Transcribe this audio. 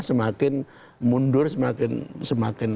semakin mundur semakin